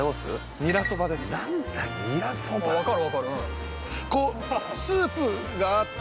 ニラそばあ